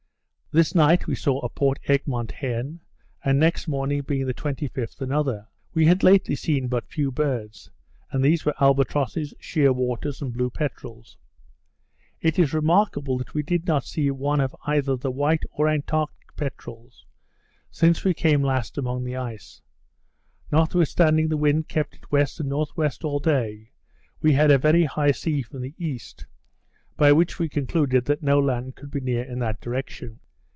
This night we saw a Port Egmont hen; and next morning, being the 25th, another. We had lately seen but few birds; and those were albatrosses, sheer waters, and blue peterels. It is remarkable that we did not see one of either the white or Antarctic peterels, since we came last amongst the ice. Notwithstanding the wind kept at W. and N.W. all day, we had a very high sea from the east, by which we concluded that no land could be near in that direction.